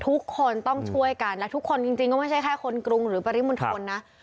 ทุกคนต้องช่วยกันและทุกคนจริงก็ไม่ใช่แค่คนกรุงหรือปริมณฑลนะ